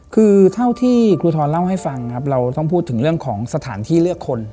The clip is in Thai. คือเท่าที่ครูทรเล่าให้ฟังครับเราต้องพูดถึงเรื่องของสถานที่เลือกคน